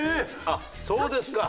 あっそうですか。